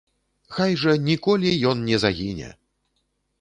Хай жа ніколі ён не загіне!